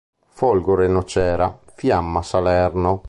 Folgore Nocera; Fiamma Salerno.